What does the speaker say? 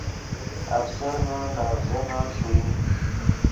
افسرنے نے اڤزینے ݰوئی